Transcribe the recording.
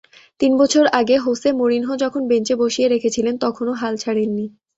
তিন বছর আগে হোসে মরিনহো যখন বেঞ্চে বসিয়ে রেখেছিলেন, তখনো হাল ছাড়েননি।